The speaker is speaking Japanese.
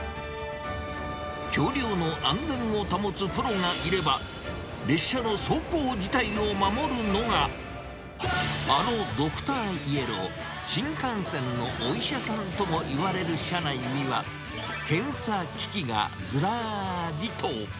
橋りょうの安全を保つプロがいれば、列車の走行自体を守るのが、あのドクターイエロー、新幹線のお医者さんともいわれる車内には、検査機器がずらーりと。